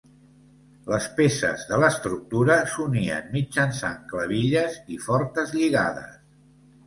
Les peces de l'estructura s'unien mitjançant clavilles i fortes lligades.